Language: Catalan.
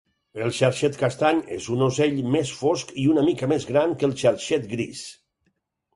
El xarxet castany és un ocell més fosc i una mica més gran que el xarxet gris.